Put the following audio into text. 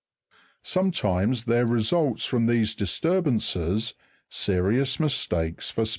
Sometimes there results from these disturbances serious mistakes for speculators; 11.